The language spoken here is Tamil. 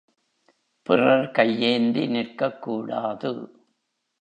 பிறர் கையேந்தி நிற்கக் கூடாது.